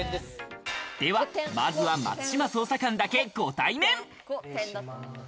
では、まずは松島捜査官だけ、ご対面。